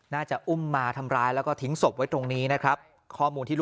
น่าจะอุ้มมาทำร้ายแล้วก็ทิ้งศพไว้ตรงนี้นะครับข้อมูลที่ลูก